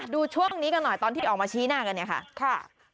ดูช่วงนี้กันหน่อยตอนที่ออกมาชี้หน้ากันเนี่ยค่ะ